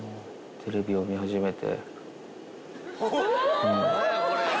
テレビを見始めて。